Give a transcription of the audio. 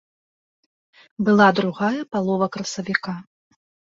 Была другая палова красавіка.